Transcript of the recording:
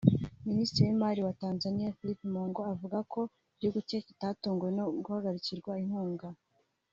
Minisitiri w’Imari wa Tanzania Philip Mpango avuga ko igihugu cye kitatunguwe no guhagarikirwa inkunga